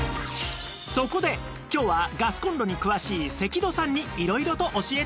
そこで今日はガスコンロに詳しい関戸さんに色々と教えて頂きます